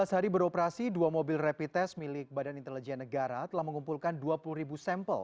enam belas hari beroperasi dua mobil rapid test milik bni telah mengumpulkan dua puluh sampel